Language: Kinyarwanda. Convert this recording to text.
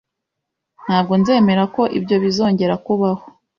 Ntabwo nzemera ko ibyo bizongera kubaho .